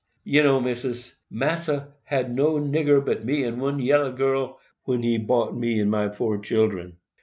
"You know, Missis, Massa hab no nigger but me and one yellow girl, when he bought me and my four children.